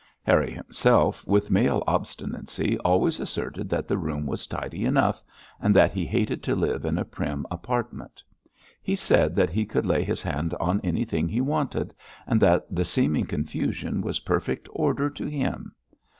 Harry himself, with male obstinacy, always asserted that the room was tidy enough, and that he hated to live in a prim apartment. He said that he could lay his hand on anything he wanted, and that the seeming confusion was perfect order to him.